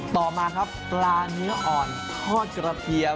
ต่อมาครับปลาเนื้ออ่อนทอดกระเทียม